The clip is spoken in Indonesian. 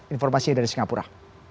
informasi dari singapura